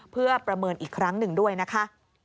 เพื่อประเมินอีกครั้งหนึ่งด้วยนะคะ